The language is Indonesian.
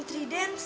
tidak tidak tidak